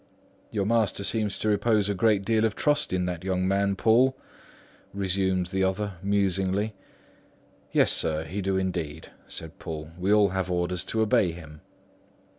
"Your master seems to repose a great deal of trust in that young man, Poole," resumed the other musingly. "Yes, sir, he does indeed," said Poole. "We have all orders to obey him."